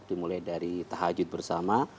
dimulai dari tahajud bersama